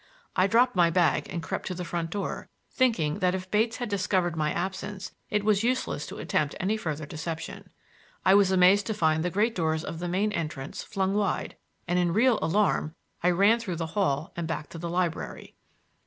I dropped my bag and crept to the front door, thinking that if Bates had discovered my absence it was useless to attempt any further deception. I was amazed to find the great doors of the main entrance flung wide, and in real alarm I ran through the hall and back to the library.